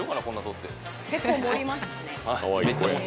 結構盛りましたね。